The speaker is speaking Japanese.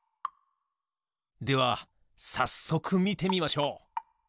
ではさっそくみてみましょう！